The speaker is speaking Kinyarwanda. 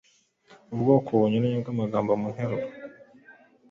ubwoko bunyuranye bw’amagambo mu nteruro